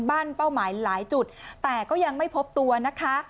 เป้าหมายหลายจุดแต่ก็ยังไม่พบตัวนะคะ